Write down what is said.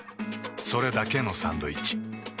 それだけのサンドイッチ。